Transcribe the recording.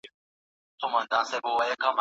د روانی ناروغانو ساتنځایونه چيري دي؟